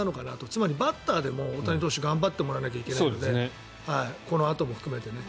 つまりバッターでも大谷投手頑張ってもらわないといけないのでこのあとも含めてね。